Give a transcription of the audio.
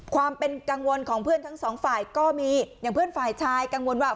ความเป็นกังวลของเพื่อนทั้งสองฝ่ายก็มีอย่างเพื่อนฝ่ายชายกังวลว่า